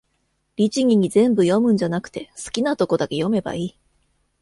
律儀に全部読むんじゃなくて、好きなとこだけ読めばいい